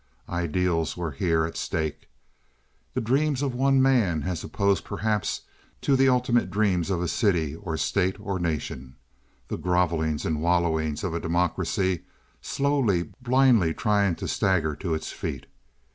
Ideals were here at stake—the dreams of one man as opposed perhaps to the ultimate dreams of a city or state or nation—the grovelings and wallowings of a democracy slowly, blindly trying to stagger to its feet.